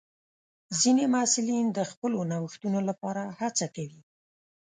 ځینې محصلین د خپلو نوښتونو لپاره هڅه کوي.